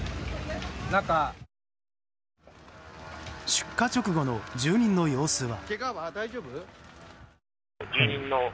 出火直後の住人の様子は。